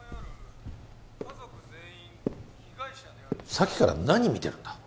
さっきから何見てるんだ？